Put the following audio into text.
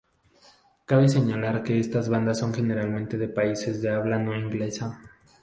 Cabe señalar que estas bandas son generalmente de países de habla no inglesa.